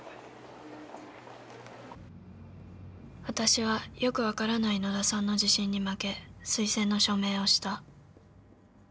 私はよく分からない野田さんの自信に負け推薦の署名をした。